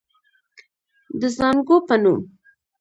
د زانګو پۀ نوم